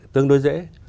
tương đối dễ